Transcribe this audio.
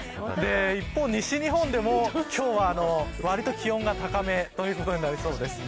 一方、西日本でも今日は、わりと気温が高めということになりそうです。